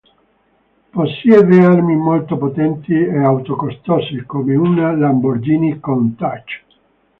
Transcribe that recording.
Possiede armi molto potenti e auto costose, come una Lamborghini Countach.